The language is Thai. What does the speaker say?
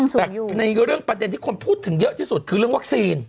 แต่ในเรื่องประเด็นที่คนพูดถึงเยอะที่สุดคือเรื่องวัคซีน